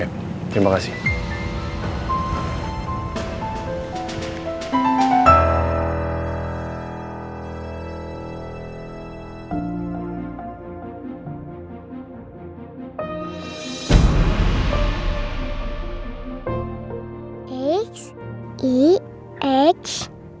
ya terima kasih